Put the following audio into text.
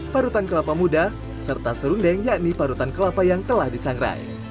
parutan kelapa muda serta serundeng yakni parutan kelapa yang telah disangrai